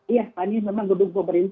iya tadi memang gedung pemerintah